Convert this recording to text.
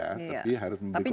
tapi harus memberikan konsesi